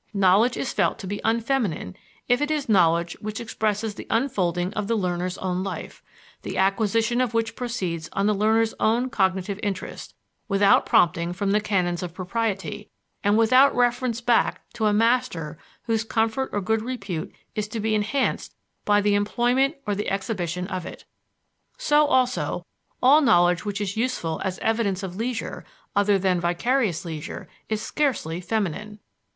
Knowledge is felt to be unfeminine if it is knowledge which expresses the unfolding of the learner's own life, the acquisition of which proceeds on the learner's own cognitive interest, without prompting from the canons of propriety, and without reference back to a master whose comfort or good repute is to be enhanced by the employment or the exhibition of it. So, also, all knowledge which is useful as evidence of leisure, other than vicarious leisure, is scarcely feminine.